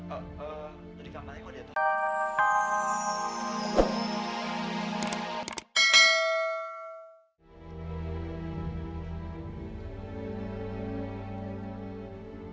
eh di kamar itu